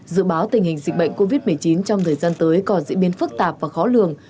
dự báo tình hình dịch bệnh covid một mươi chín trong thời gian tới còn diễn biến phức tạp và khó lường